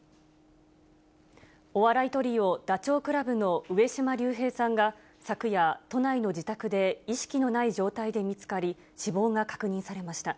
お笑いトリオ、ダチョウ倶楽部の上島竜兵さんが昨夜、都内の自宅で意識のない状態で見つかり、死亡が確認されました。